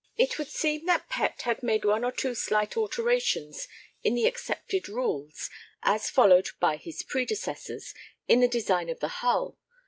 It would seem that Pett had made one or two slight alterations in the accepted rules, as followed by his predecessors, in the design of the hull.